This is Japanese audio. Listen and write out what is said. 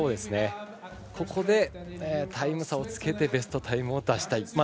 ここで、タイム差をつけてベストタイムを出したい。